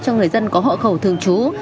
cho người dân có hộ khẩu thường trú